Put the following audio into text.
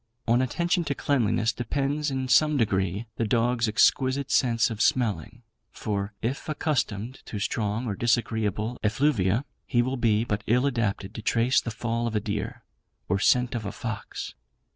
On attention to cleanliness depends, in some degree, the dog's exquisite sense of smelling; for, if accustomed to strong or disagreeable effluvia, he will be but ill adapted to trace the fall of a deer, or scent of a fox.